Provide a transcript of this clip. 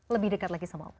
lebih dekat lagi sama allah